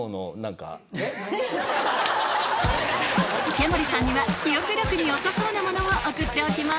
池森さんには記憶力によさそうなものを送っておきます